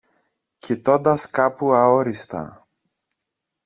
κοιτώντας κάπου αόριστα